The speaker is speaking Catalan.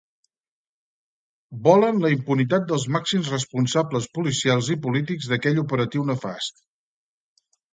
Volen la impunitat dels màxims responsables policials i polítics d'aquell operatiu nefast.